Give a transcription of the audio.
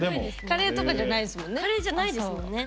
カレーとかじゃないですもんね。